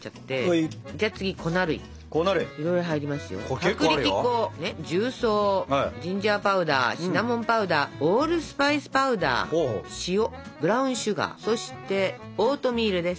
薄力粉重曹ジンジャーパウダーシナモンパウダーオールスパイスパウダー塩ブラウンシュガーそしてオートミールです。